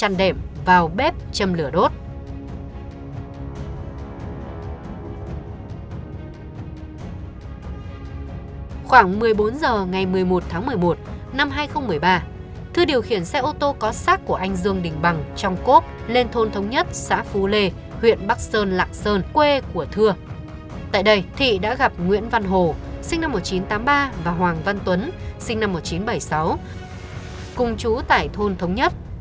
nguyễn văn hồ sinh năm một nghìn chín trăm tám mươi ba và hoàng văn tuấn sinh năm một nghìn chín trăm bảy mươi sáu cùng chú tại thôn thống nhất